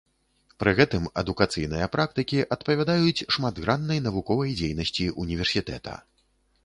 Пры гэтым адукацыйныя практыкі адпавядаюць шматграннай навуковай дзейнасці ўніверсітэта.